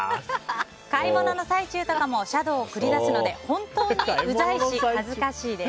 買い物の最中とかもシャドーを繰り出すので本当にうざいし、気持ち悪いです。